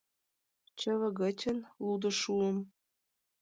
Чыве гычын лудыш шуым